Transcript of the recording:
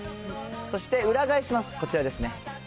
そして裏返します、こちらですね。